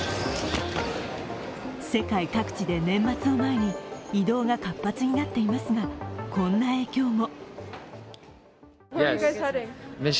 世界各地で年末を前に移動が活発になっていますが、こんな影響も。